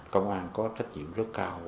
công an có trách nhiệm rất cao và